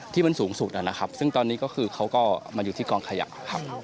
ที่มันสูงสุดนะครับซึ่งตอนนี้ก็คือเขาก็มาอยู่ที่กองขยะครับ